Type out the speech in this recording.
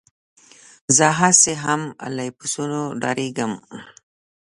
زه هسې هم له بسونو ډارېږم.